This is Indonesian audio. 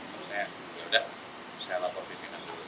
terus saya yaudah saya laporkan izinan dulu